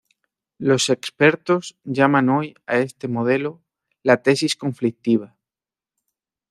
Los expertos llaman hoy a este modelo la tesis conflictiva.